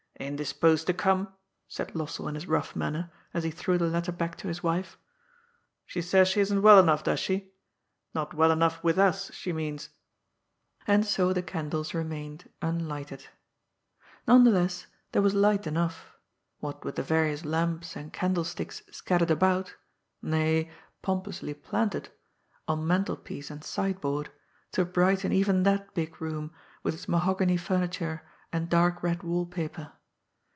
^' Indisposed to come," said Lossell in his rough manner, as he threw the letter back to his wife. " She says she isn't well enough, does she ? Not well enough with us, she means." And so the candles remained unlighted. None the less, there was light enough — ^what with the various lamps and candlesticks scattered about [nay, pompously planted] on mantelpiece and sideboard — ^to brighten even that big room, with its mahogany furni ture and dark red wall paper.